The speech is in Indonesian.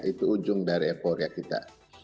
itu ujung dari euforia kita